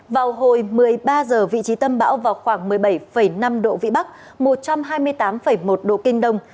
vào hồi một mươi ba h vị trí tâm bão vào khoảng một mươi bảy năm độ vĩ bắc một trăm hai mươi tám một độ kinh đông